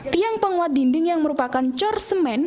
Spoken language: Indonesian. tiang penguat dinding yang merupakan cor semen